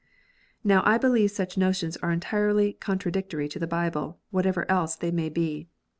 Now I believe such notions are entirely contradictory to the Bible, whatever else they may be.